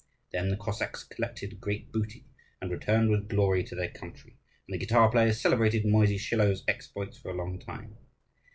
Then the Cossacks collected great booty, and returned with glory to their country; and the guitar players celebrated Mosiy Schilo's exploits for a long time.